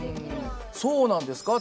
そうなんですか？